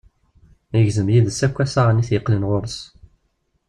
Yegzem yid-s akk assaɣen i t-yeqqnen ɣur-s.